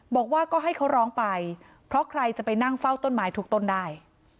บอกว่าก็ให้เขาร้องไปเพราะใครจะไปนั่งเฝ้าต้นไม้ทุกต้นได้